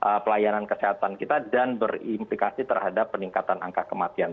untuk pelayanan kesehatan kita dan berimplikasi terhadap peningkatan angka kematian